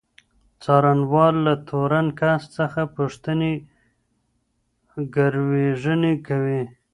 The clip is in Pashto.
څارنوال له تورن کس څخه پوښتني ګروېږنې کوي.